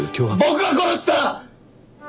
僕が殺した！